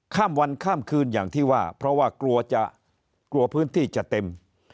ข้ามวันข้ามคืนอย่างที่ว่าเพราะว่ากลัวจะกลัวพื้นที่จะเต็ม